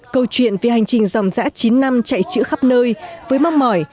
câu chuyện về hành trình dòng dã chín năm chạy chữa khắp nơi với mắc mỏi